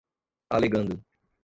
alegando